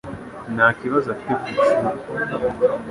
nta kibazo afite ku ishuri